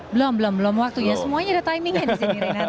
belum belum belum waktunya semuanya ada timingnya di sini renard